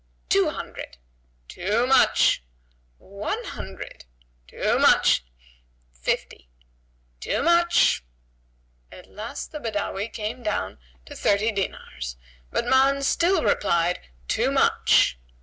"Two hundred." "Too much!" "One hundred." "Too much!" "Fifty." "Too much!" At last the Badawi came down to thirty dinars; but Ma'an still replied, "Too much!"